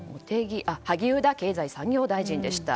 萩生田経済産業大臣でした。